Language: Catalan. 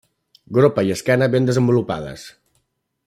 Gropa i esquena ben desenvolupades.